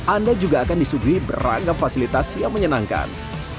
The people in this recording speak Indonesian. anda juga akan disuguhi beragam fasilitas yang menyenangkan